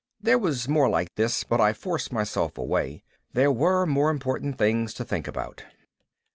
There was more like this, but I forced myself away. There were more important things to think about.